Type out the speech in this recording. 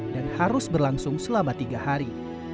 dan harus berlangsung selama tiga hari